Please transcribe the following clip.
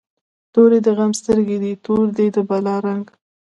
توری د غم سترګی دي، تور دی د بلا رنګ